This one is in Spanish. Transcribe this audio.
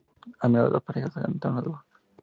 A menudo las parejas cantan a dúo.